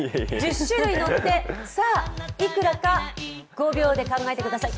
１０種類乗って、さあいくらか５秒で考えてください。